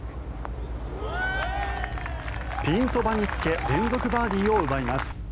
ピンそばにつけ連続バーディーを奪います。